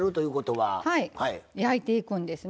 はい。